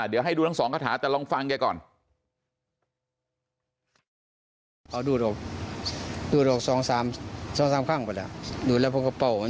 เดี๋ยวให้ดูทั้งสองคาถาแต่ลองฟังแกก่อน